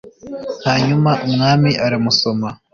hanyuma umwami aramusoma